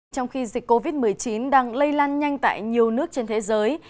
trong khi dịch covid một mươi chín đang lây lan nhanh tại nhiều nước trên thế giới